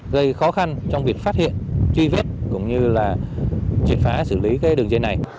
gây khó khăn trong việc phát hiện truy vết cũng như là triệt phá xử lý cái đường dây này